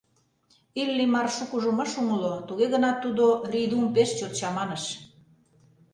Иллимар шукыжым ыш умыло, туге гынат, тудо Рийдум пеш чот чаманыш.